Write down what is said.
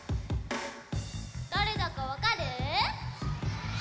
だれだかわかる？わかる！